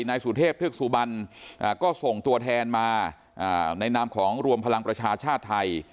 นายสุเทพเทือกสุบันก็ส่งตัวแทนมาในนามของรวมพลังประชาชาติไทย